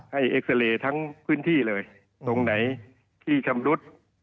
เอ็กซาเรย์ทั้งพื้นที่เลยตรงไหนที่ชำรุด